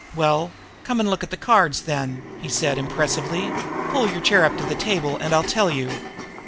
"Well, come and look at the cards, then," he said impressively. "Pull your chair up to the table, and I'll tell you."